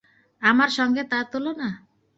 আমার সঙ্গে তাঁর তুলনা!